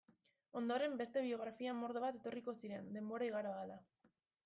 Ondoren, beste biografia mordo bat etorriko ziren, denbora igaro ahala.